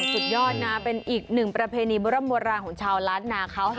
สุดยอดนะเป็นอีกหนึ่งประเพณีมรมลาของชาวล้านนา